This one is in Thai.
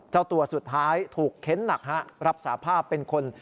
เจ้าตัวสุดท้ายถูกเค้นหนักฮะรับสาภาพเป็นคน